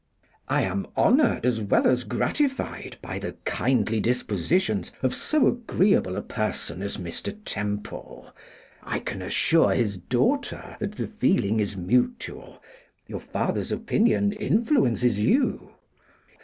'I am honoured as well as gratified by the kindly dispositions of so agreeable a person as Mr. Temple. I can assure his daughter that the feeling is mutual. Your father's opinion influences you?